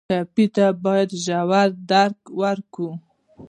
ټپي ته باید ژور درک ورکړو.